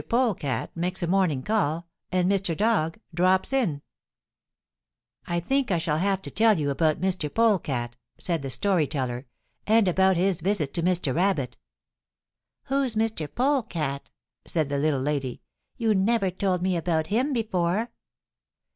POLECAT MAKES A MORNING CALL AND MR. DOG DROPS IN "I think I shall have to tell you about Mr. Polecat," said the Story Teller, "and about his visit to Mr. Rabbit." "Who's Mr. Polecat?" said the Little Lady. "You never told me about him before."